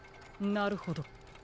なるほど。